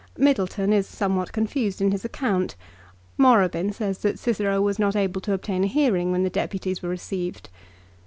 Middleton is somewhat confused in his account. Morabin says that Cicero was not able to obtain a hearing when the Deputies were received.